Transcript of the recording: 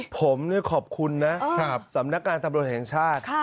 ผมขอบคุณนะสำนักการตำรวจแห่งชาติ